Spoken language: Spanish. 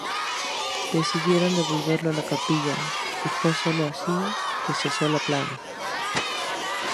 Decidieron devolverlo a la capilla y fue sólo así que cesó la plaga.